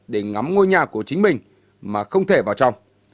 để ngắm ngôi nhà của chính mình mà không thể vào trong